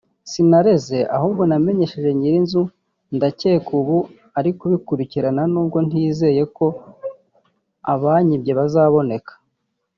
sinareze ahubwo namenyesheje nyiri inzu ndakeka ubu ari kubikurikirana n'ubwo ntizeye ko abanyibye bazaboneka